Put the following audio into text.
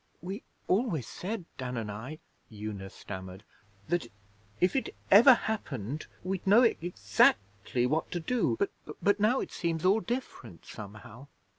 'We always said, Dan and I,' Una stammered, 'that if it ever happened we'd know ex actly what to do; but but now it seems all different somehow.'